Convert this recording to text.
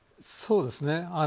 そうですね。